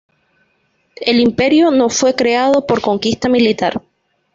El imperio no fue creado por conquista militar.